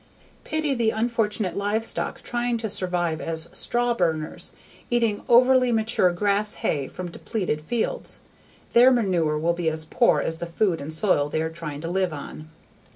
Pity the unfortunate livestock trying to survive as "strawburners" eating overly mature grass hay from depleted fields. Their manure will be as poor as the food and soil they are trying to live on.